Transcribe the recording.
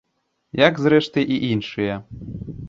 Як, зрэшты, і іншыя.